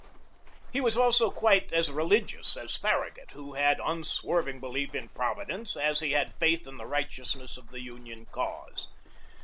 He was also quite as religious as Farragut, who had unswerving belief in Providence as he had faith in the righteousness of the Union cause.